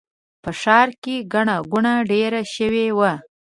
په ښار کې ګڼه ګوڼه ډېره شوې وه.